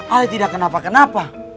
ale tidak kenapa kenapa